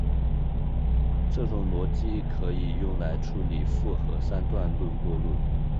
这种逻辑可以用来处理复合三段论悖论。